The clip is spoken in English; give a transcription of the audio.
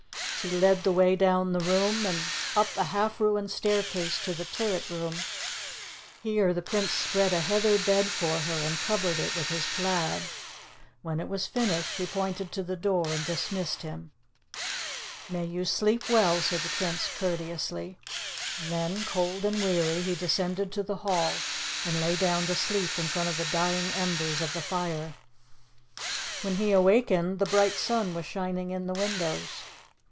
She led the way down the room, and up a half ruined staircase to the turret room. Here the Prince spread a heather bed for her, and covered it with his plaid. When it was finished she pointed to the door, and dismissed him. "May you sleep well," said the Prince courteously. Then, cold and weary, he descended to the hall, and lay down to sleep in front of the dying embers of the fire. When he awakened the bright sun was shining in the windows.